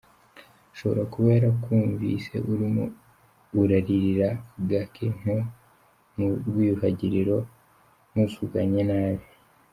Ashobora kuba yarakumvise urimo uraririra gake nko mu rwiyuhagiriro muvuganye nabi.